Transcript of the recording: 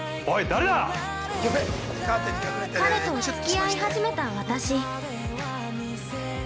彼をつき合い始めた私。